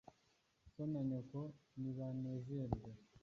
So na nyoko nibanezerwe